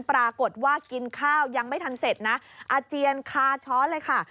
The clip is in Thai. ปรากฏว่ากินข้าวยังไม่ทันเสร็จนะอาเจียนคาช้อนเลยค่ะ